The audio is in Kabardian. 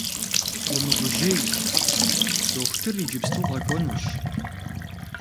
Умыгужьэй, дохутыр иджыпсту къэкӏуэнущ.